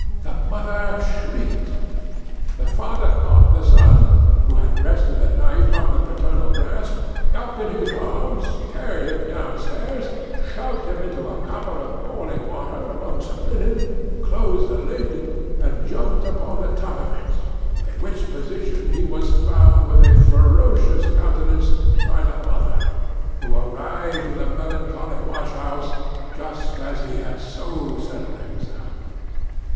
The mother shrieked. The father caught the son (who had wrested the knife from the paternal grasp) up in his arms, carried him down stairs, shoved him into a copper of boiling water among some linen, closed the lid, and jumped upon the top of it, in which position he was found with a ferocious countenance by the mother, who arrived in the melancholy wash house just as he had so settled himself.